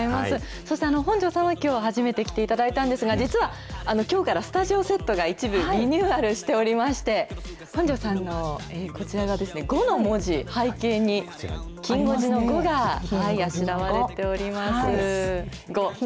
そして、本上さんはきょう、初めて来ていただいたんですが、実は、きょうからスタジオセットが一部、リニューアルしておりまして、本上さんのこちらはですね、５の文字、背景に、きん５時の５があしらわれております。